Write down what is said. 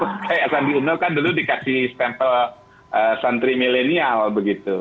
eh azad diunel kan dulu dikasih stempel santri milenial begitu